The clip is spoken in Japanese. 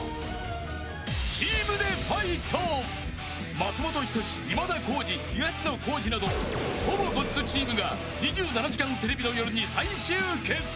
［松本人志今田耕司東野幸治などほぼごっつチームが『２７時間テレビ』の夜に再集結］